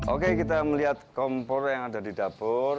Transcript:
oke kita melihat kompor yang ada di dapur